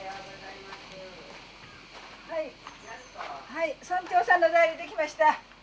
はい村長さんの代理で来ました。